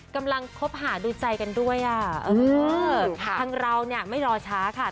กำลังคบหาดูใจกันด้วยอ่ะทั้งเราไม่รอช้าค่ะ